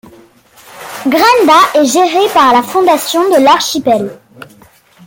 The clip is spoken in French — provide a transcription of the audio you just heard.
Grinda est gérée par la Fondation de l'archipel.